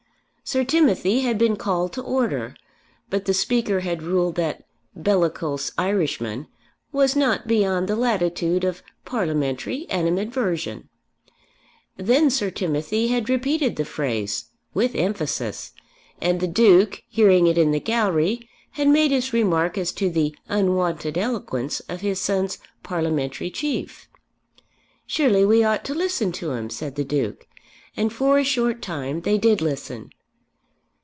Sir Timothy had been called to order, but the Speaker had ruled that "bellicose Irishman" was not beyond the latitude of parliamentary animadversion. Then Sir Timothy had repeated the phrase with emphasis, and the Duke hearing it in the gallery had made his remark as to the unwonted eloquence of his son's parliamentary chief. "Surely we ought to listen to him," said the Duke. And for a short time they did listen.